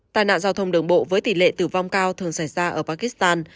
tai nạn giao thông đường bộ với tỷ lệ tử vong cao thường xảy ra ở pakistan